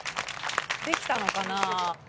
できたのかな？